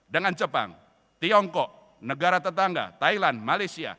dengan jepang tiongkok negara tetangga thailand malaysia